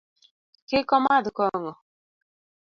Kik omadh kong'o.